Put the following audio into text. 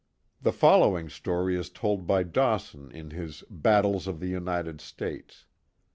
The following story is told by Dawson in his Battles of the United States.